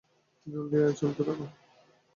জলদি আয়, চলতে থাক।